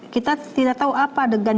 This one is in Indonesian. kita tidak tahu apa adegan